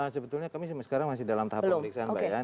sebetulnya kami sekarang masih dalam tahap pemeriksaan